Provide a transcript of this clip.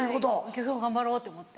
今日頑張ろうって思って。